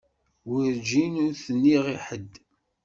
Werǧin i t-nniɣ i ḥedd.